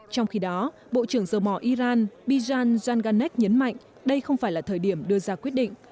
trong khi đó bộ trưởng dầu mỏ iran bijan yanganech nhấn mạnh đây không phải là thời điểm đưa ra quyết định